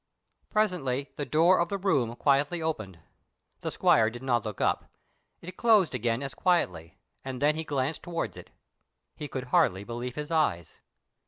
Presently the door of the room quietly opened. The squire did not look up. It closed again as quietly, and then he glanced towards it. He could hardly believe his eyes.